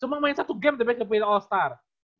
cuma main satu game tapi dia kepilih all star